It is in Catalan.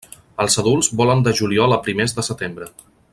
Els adults volen de juliol a primers de setembre.